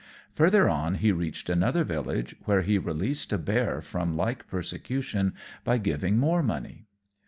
Further on he reached another village, where he released a bear from like persecution by giving more money.